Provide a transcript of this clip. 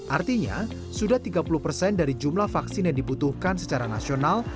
artinya sudah tiga puluh persen dari jumlah vaksin yang dibutuhkan secara nasional